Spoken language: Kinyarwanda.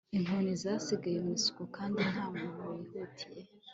inkoni zasigaye mu isuka kandi nta muntu wihutiye